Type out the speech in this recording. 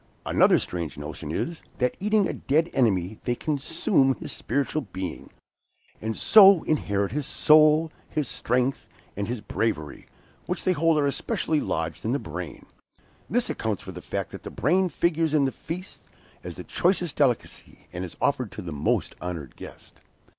Another strange notion is, that in eating a dead enemy they consume his spiritual being, and so inherit his soul, his strength and his bravery, which they hold are specially lodged in the brain. This accounts for the fact that the brain figures in their feasts as the choicest delicacy, and is offered to the most honored guest.